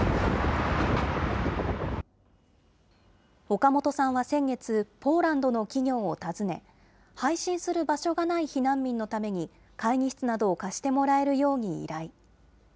岡本さんは先月、ポーランドの企業を訪ね、配信する場所がない避難民のために、会議室などを貸してもらえるように依頼。